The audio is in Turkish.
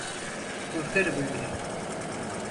Korkarım öyle.